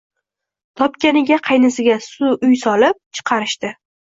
Topganiga qaynisiga uy solib, chiqarishdi